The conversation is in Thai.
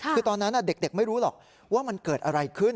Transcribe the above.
คือตอนนั้นเด็กไม่รู้หรอกว่ามันเกิดอะไรขึ้น